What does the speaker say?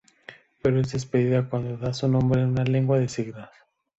Pero es despedida cuando da su nombre en una lengua de signos.